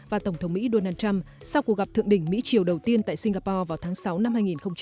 và tổng thống mỹ donald trump sau cuộc gặp thượng đỉnh mỹ chiều đầu tiên tại singapore vào tháng sáu năm hai nghìn một mươi tám